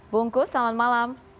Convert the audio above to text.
bungkus selamat malam